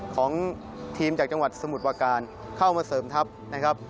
ของทีมจากจังหวัดสมุทรประการเข้ามาเสริมทัพนะครับ